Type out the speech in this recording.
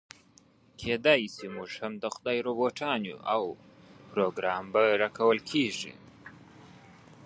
کيداشي موږ هم د خدای روباټان يو او پروګرام به راکول کېږي.